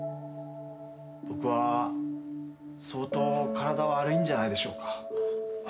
僕は相当体悪いんじゃないでしょうか？